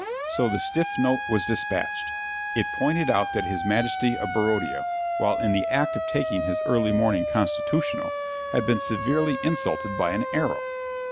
So the Stiff Note was dispatched. It pointed out that his Majesty of Barodia, while in the act of taking his early morning constitutional, had been severely insulted by an arrow.